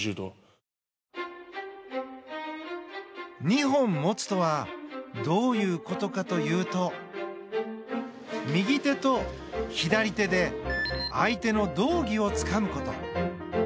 二本持つとはどういうことかというと右手と左手で相手の道着をつかむこと。